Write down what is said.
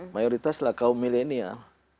mayoritaslah kaum milenial